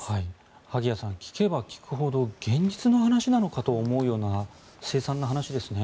萩谷さん聞けば聞くほど現実の話なのかと思うようなせい惨な話ですね。